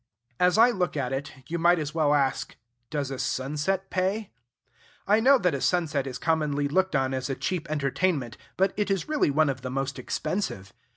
As I look at it, you might as well ask, Does a sunset pay? I know that a sunset is commonly looked on as a cheap entertainment; but it is really one of the most expensive.